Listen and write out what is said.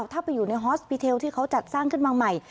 ถ้าไปอยู่ในฮอสปีเทลที่เขาจัดสร้างขึ้นมาใหม่